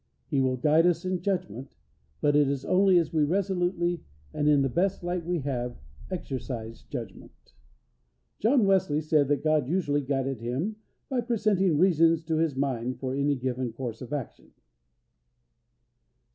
He will guide us in judgment; but it is only as we resolutely, and in the best light we have, exercise judgment. John Wesley said that God usually guided him by presenting reasons to his mind for any given course of action.